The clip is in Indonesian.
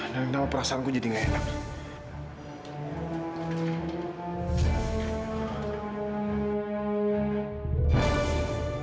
dan kenapa perasaanku jadi gak enak